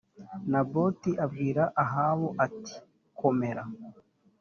naboti abwira ahabu ati komera